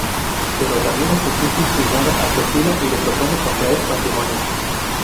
Pero Ramiro se siente inclinado hacia Tula y le propone contraer matrimonio.